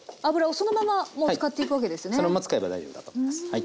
そのまま使えば大丈夫だと思いますはい。